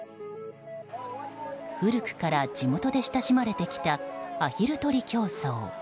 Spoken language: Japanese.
古くから地元で親しまれてきたアヒル取り競争。